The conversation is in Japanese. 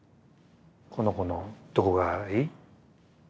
この子のどこがいい？